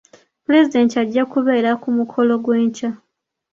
Pulezidenti ajja kubeera ku mukolo gw'enkya.